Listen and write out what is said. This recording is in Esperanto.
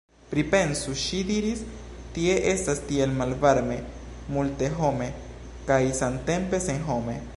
Pripensu, ŝi diris, tie estas tiel malvarme, multehome kaj samtempe senhome.